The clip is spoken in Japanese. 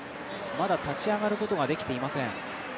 まだ立ち上がることができていません。